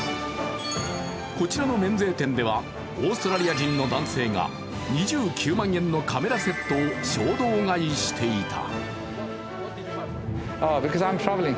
こちらの免税店ではオーストリア人の男性が２９万円のカメラセットを衝動買いしていた。